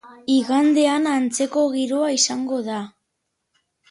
Igandean, antzeko giroa izango da.